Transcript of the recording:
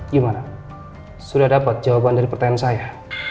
gimana sudah dapat jawaban dari pertanyaan saya